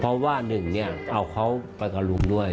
เพราะว่าหนึ่งเนี่ยเอาเขาไปกับลุงด้วย